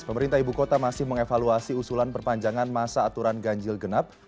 pemerintah ibu kota masih mengevaluasi usulan perpanjangan masa aturan ganjil genap